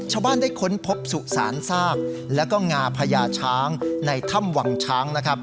ชาวบ้านได้ค้นพบสุสานซากแล้วก็งาพญาช้างในถ้ำวังช้างนะครับ